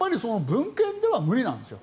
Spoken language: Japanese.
文献では無理なんですよ。